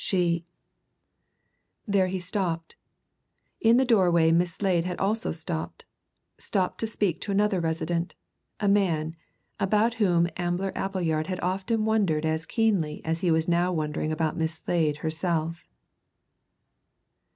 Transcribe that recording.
She " There he stopped. In the doorway Miss Slade had also stopped stopped to speak to another resident, a man, about whom Ambler Appleyard had often wondered as keenly as he was now wondering about Miss Slade herself.